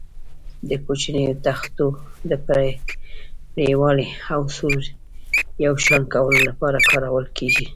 د کوچنیو تختو د پرېړوالي او سور یو شان کولو لپاره کارول کېږي.